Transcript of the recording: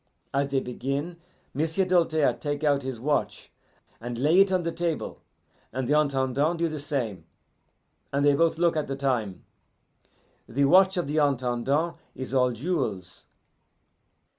As they begin, M'sieu' Doltaire take out his watch and lay it on the table, and the Intendant do the same, and they both look at the time. The watch of the Intendant is all jewels.